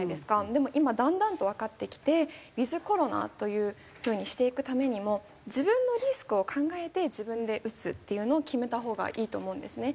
でも今だんだんとわかってきてＷｉｔｈコロナというふうにしていくためにも自分のリスクを考えて自分で打つっていうのを決めた方がいいと思うんですね。